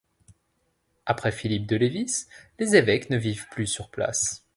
Après Philippe de Lévis, les évêques ne vivent plus sur place.